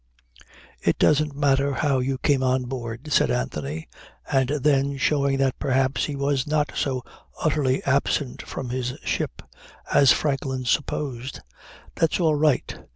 "It doesn't matter how you came on board," said Anthony. And then showing that perhaps he was not so utterly absent from his ship as Franklin supposed: "That's all right.